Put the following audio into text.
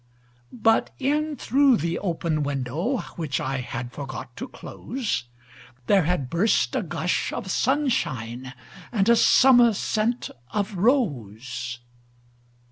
But in through the open window, Which I had forgot to close, There had burst a gush of sunshineAnd a summer scent of rose.